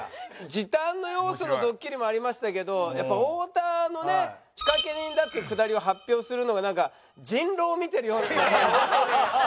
時短の要素のドッキリもありましたけどやっぱ太田のね仕掛け人だっていうくだりを発表するのがなんか人狼を見てるような感じ。